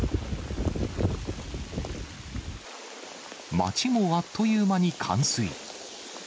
街もあっという間に冠水。